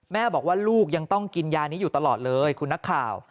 แม่บอกว่าลูกยังต้องกินยานี้อยู่ตลอดเลยคุณนักข่าว